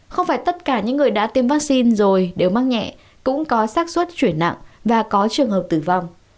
không phải tất cả những người đã tiêm vaccine rồi đều mắc nhẹ cũng có sắc xuất chuyển nặng và có trường hợp tử vong